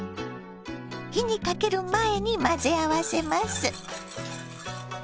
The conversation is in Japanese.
火にかける前に混ぜ合わせます。